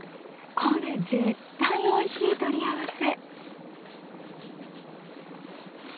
これ絶対おいしい取り合わせ！